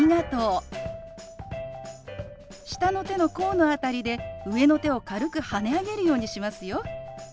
下の手の甲の辺りで上の手を軽くはね上げるようにしますよ。